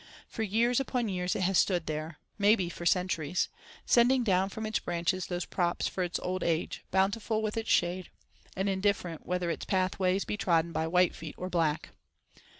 For years upon years it has stood there—may be for centuries—sending down from its branches those props for its old age, bountiful with its shade, and indifferent whether its path ways be trodden by white feet or black.